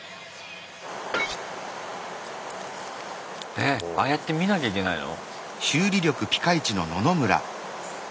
えっ！ああやって見なきゃいけないの？